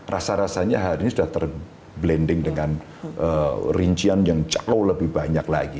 rasa rasanya hari ini sudah terblending dengan rincian yang jauh lebih banyak lagi